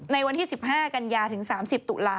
ในวันที่๑๕กันยาถึง๓๐ตุลาค